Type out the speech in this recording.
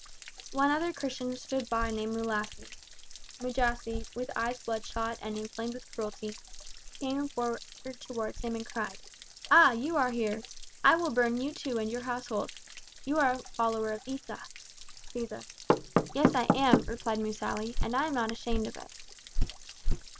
One other Christian stood by named Musali. Mujasi, with eyes bloodshot and inflamed with cruelty, came towards him and cried: "Ah, you are here. I will burn you too and your household. You are a follower of Isa (Jesus)." "Yes, I am," replied Musali, "and I am not ashamed of it."